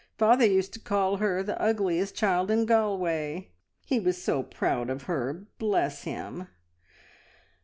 Father used to call her the ugliest child in Galway. He was so proud of her, bless him!"